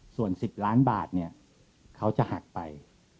ส่วน๑๐ล้านบาทเนี่ยเขาจะหักไป